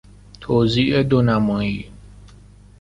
توزیع دو نمایی